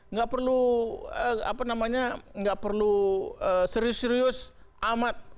nggak perlu serius serius amat